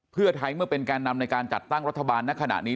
เพื่อไทยเมื่อเป็นแก่นำในการจัดตั้งรัฐบาลณขณะนี้